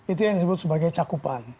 itu yang disebut sebagai cakupan